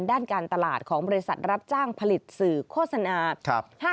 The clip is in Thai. ด้านการตลาดของบริษัทรับจ้างผลิตสื่อโฆษณา